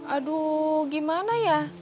aduh gimana ya